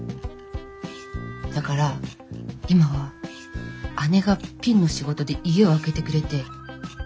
だから今は姉がピンの仕事で家を空けてくれて正直助かってるんです。